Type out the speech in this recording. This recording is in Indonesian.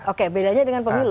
oke bedanya dengan pemilu